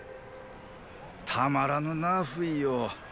たまらぬな不韋よ。